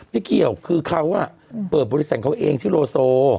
ไม่เกี่ยวคือเขาเปิดบริษัทเขาเองชื่อโลโซ